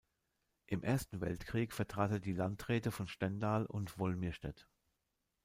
Im Ersten Weltkrieg vertrat er die Landräte von Stendal und Wolmirstedt.